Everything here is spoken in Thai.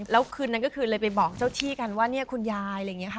แล้วคืนนั้นก็คือเลยไปบอกเจ้าที่กันว่าเนี่ยคุณยายอะไรอย่างนี้ค่ะ